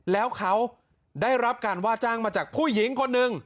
แล้วเขาได้รับการว่าจ้างมาจากผู้หญิงคนหนึ่ง